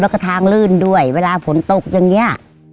แล้วก็ทางลื่นด้วยเวลาฝนตกอย่างนี้